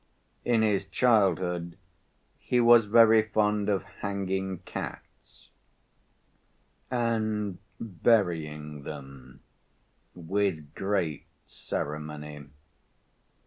In his childhood he was very fond of hanging cats, and burying them with great ceremony.